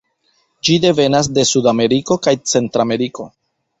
Ĝi devenas de sudameriko kaj centrameriko.